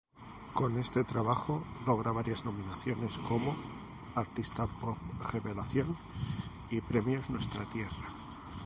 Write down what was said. Con este trabajo logra varias nominaciones como: Artista Pop revelación y Premios Nuestra Tierra.